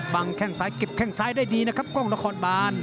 แข้งซ้ายเก็บแข้งซ้ายได้ดีนะครับกล้องนครบาน